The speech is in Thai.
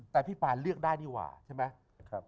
แต่พี่ปานเลือกได้ดีกว่าใช่ไหม